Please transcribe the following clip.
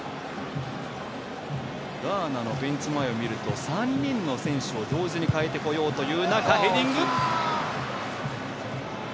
ガーナのベンチ前を見ると３人の選手を同時に代えてこようという中ヘディング。